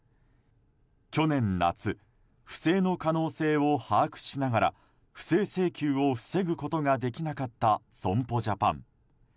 去年夏不正の可能性を把握しながら不正請求を防ぐことができなかった損保ジャパン。